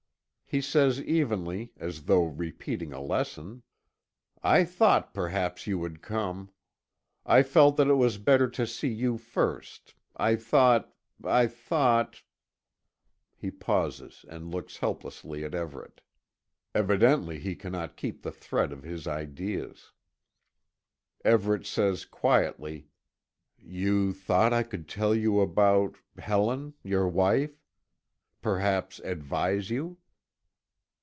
He says evenly, as though repeating a lesson: "I thought perhaps you would come. I felt that it was better to see you first I thought I thought " He pauses and looks helplessly at Everet. Evidently he cannot keep the thread of his ideas. Everet says quietly: "You thought I could tell you about Helen your wife? Perhaps advise you?"